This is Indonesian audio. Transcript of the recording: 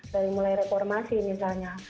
dari mulai reformasi misalnya